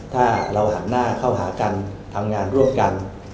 ถ้าเราหันหน้าเข้าหากันทำงานร่วมกัน